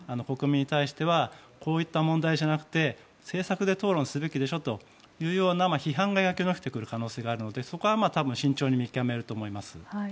国民に対してはこういった問題じゃなくて政策で討論すべきでしょというような批判が来る可能性があるのでそこは多分慎重に見極めると思います。